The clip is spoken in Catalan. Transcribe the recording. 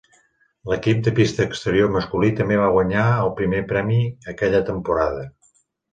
L'equip de pista exterior masculí també va guanyar el primer premi aquella temporada.